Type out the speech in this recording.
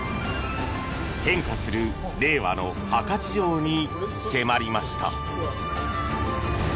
変化する令和の墓事情に迫りました。